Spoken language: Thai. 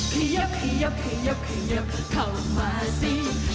เขยับเขยับเขยับเขยับเข้ามาสิ